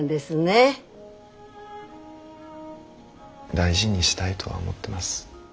大事にしたいとは思ってます。